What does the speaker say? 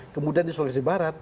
kemudian di sulawesi barat